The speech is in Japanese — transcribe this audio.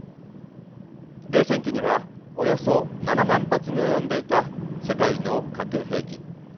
冷戦期にはおよそ７万発に及んでいた世界の核兵器。